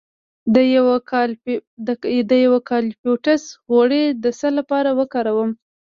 د یوکالیپټوس غوړي د څه لپاره وکاروم؟